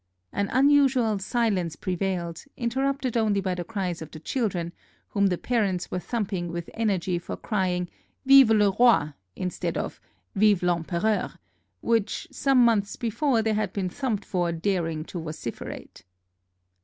An unusual silence pre vailed, interrupted only by the cries of the children, whom the parents were thumping with energy for crying ^'Vive le Roi!^' instead of '''Vive VEmpereur l" which some months before they had been thumped for dar ing to vociferate